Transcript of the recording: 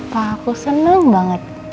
papa aku seneng banget